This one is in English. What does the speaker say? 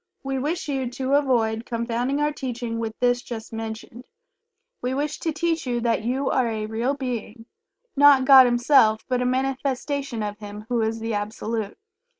We wish you to avoid confounding our teaching with this just mentioned. We wish to teach you that You are a real Being not God Himself, but a manifestation of Him who is the Absolute.